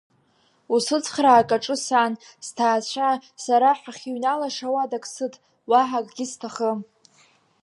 Усыцхраа акаҿы сан, сҭаацәа, сара ҳахьыҩналаша уадак сыҭ, уаҳа акгьы сҭахым.